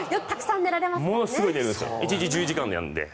１日１１時間寝るので。